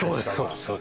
そうです